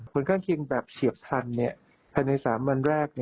ผลข้างเคียงแบบเฉียบพลันภายใน๓วันแรก